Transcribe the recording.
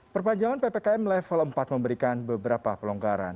perpanjangan ppkm level empat memberikan beberapa pelonggaran